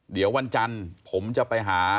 เดี๋ยววันจันทร์ผมจะไปหา